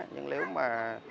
nhưng nếu mà